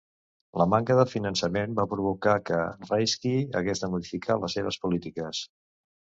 La manca de finançament va provocar que Rayski hagués de modificar les seves polítiques.